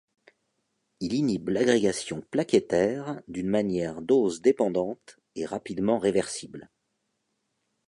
Il inhibe l'agrégation plaquettaire d'une manière dose-dépendante et rapidement réversible.